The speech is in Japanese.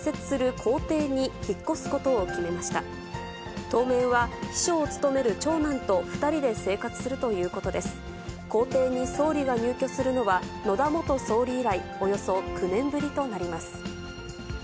公邸に総理が入居するのは野田元総理以来、およそ９年ぶりとなります。